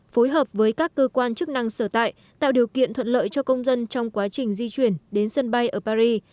phối hợp với các cơ quan chức năng sở tại tạo điều kiện thuận lợi cho công dân trong quá trình di chuyển đến sân bay ở paris